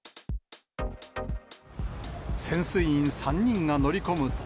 潜水員３人が乗り込むと。